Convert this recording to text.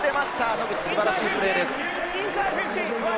野口、素晴らしいプレーです。